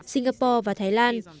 singapore và thái lan